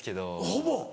ほぼ？